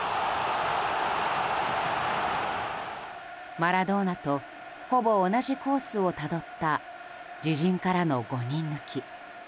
マラドーナとほぼ同じコースをたどった自陣からの５人抜き。